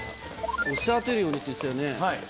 「押し当てるように」って言ってたよね。